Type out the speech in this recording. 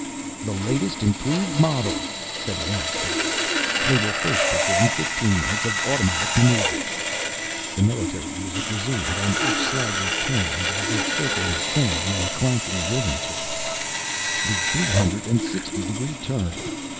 "The latest improved models," said the loudspeakers. "They will first perform fifteen minutes of automatic maneuvers." The military music resumed and each slagger turned, as if circling a coin, in clanking rhythm to it. "The three hundred and sixty degree turn.